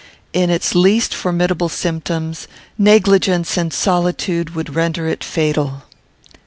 In its least formidable symptoms, negligence and solitude would render it fatal.